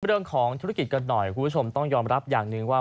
เรื่องของธุรกิจกันหน่อยคุณผู้ชมต้องยอมรับอย่างหนึ่งว่า